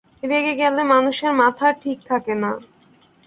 রেগে গেলে মানুষের মাথার ঠিক থাকে না।